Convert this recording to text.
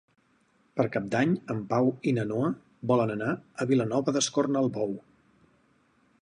Per Cap d'Any en Pau i na Noa volen anar a Vilanova d'Escornalbou.